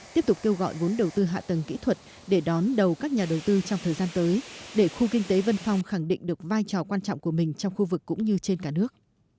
tiếp tục kêu gọi vốn đầu tư hạ tầng kỹ thuật để đón đầu các nhà đầu tư trong thời gian tới để khu kinh tế vân phong khẳng định được vai trò quan trọng của mình trong khu vực cũng như trên cả nước